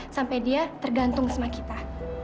sampai dia tergantung sama kita